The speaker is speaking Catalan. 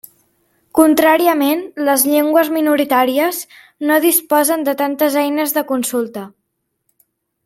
Contràriament, les llengües minoritàries no disposen de tantes eines de consulta.